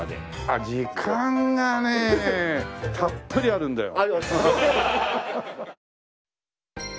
あっ時間がねたっぷりあるんだよ。